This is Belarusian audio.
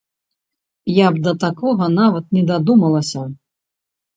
Я б да такога нават не дадумалася!